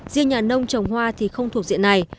riêng nhà nông trồng hoa thì không thuộc diện này